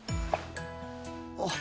あっ。